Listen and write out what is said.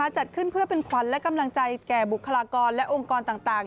จัดขึ้นเพื่อเป็นขวัญและกำลังใจแก่บุคลากรและองค์กรต่าง